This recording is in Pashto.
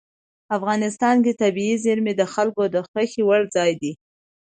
افغانستان کې طبیعي زیرمې د خلکو د خوښې وړ ځای دی.